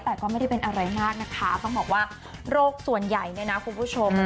แต่ก็ไม่ได้เป็นอะไรมากนะคะต้องบอกว่าโรคส่วนใหญ่เนี่ยนะคุณผู้ชม